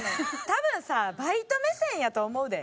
多分さバイト目線やと思うで。